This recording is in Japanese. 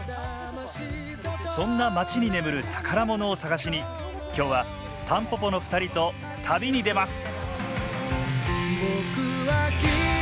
そんな街に眠る宝物を探しに今日はたんぽぽの２人と旅に出ます！